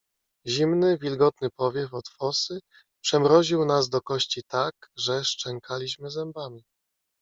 "Zimny, wilgotny powiew od fosy przemroził nas do kości tak, że szczękaliśmy zębami."